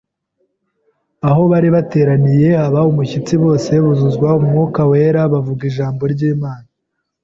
aho bari bateraniye haba umushyitsi, bose buzuzwa Umwuka Wera, bavuga ijambo ry'Imana